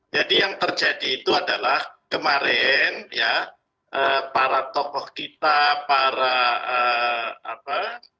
jadi yang terjadi itu adalah kemarin para tokoh kita para apa